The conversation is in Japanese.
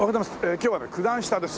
今日はね九段下です。